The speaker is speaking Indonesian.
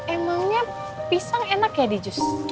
emangnya pisang enak ya di jus